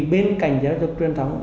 bên cạnh giáo dục truyền thống